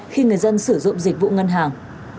khi người dân sử dụng dịch vụ ngân hàng